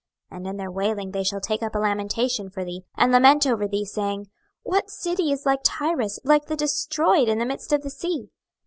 26:027:032 And in their wailing they shall take up a lamentation for thee, and lament over thee, saying, What city is like Tyrus, like the destroyed in the midst of the sea?